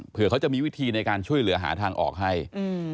เพื่อเขาจะมีวิธีในการช่วยเหลือหาทางออกให้อืม